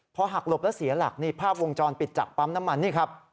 พอหักหลบแล้วเสียหลักนี่ภาพวงจรปิดจากปั๊มน้ำมันนี่ครับ